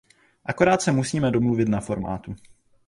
Akorát se musíme domluvit na formátu.